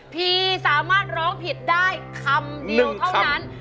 พี่สามารถร้องผิดได้คำเดียวเท่านั้น